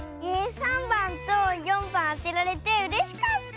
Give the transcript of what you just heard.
３ばんと４ばんあてられてうれしかった！